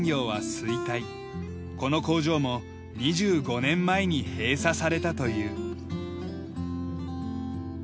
この工場も２５年前に閉鎖されたという。